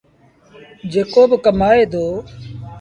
جيڪو با ڪمآئي دو۔